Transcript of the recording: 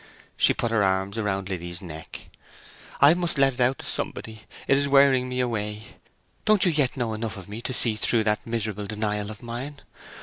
She put her arms round Liddy's neck. "I must let it out to somebody; it is wearing me away! Don't you yet know enough of me to see through that miserable denial of mine?